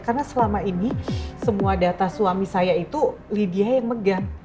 karena selama ini semua data suami saya itu lydia yang megang